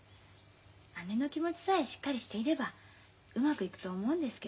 姉の気持ちさえしっかりしていればうまくいくと思うんですけど。